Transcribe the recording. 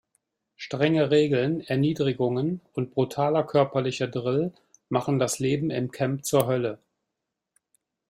Strenge Regeln, Erniedrigungen und brutaler körperlicher Drill machen das Leben im Camp zur Hölle.